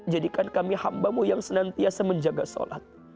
jadikan kami hambamu yang senantiasa menjaga sholat